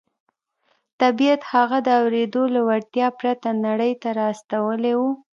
طبیعت هغه د اورېدو له وړتیا پرته نړۍ ته را استولی و